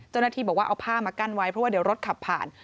เจ้าหน้าที่บอกว่าเอาผ้ามากั้นไว้เพราะว่าเดี๋ยวรถขับผ่าน